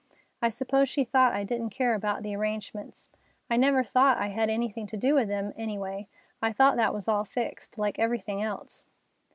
I suppose she thought I didn't care about the arrangements. I never thought I had anything to do with them, any way. I thought that was all fixed, like everything else."